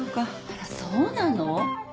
あらそうなの？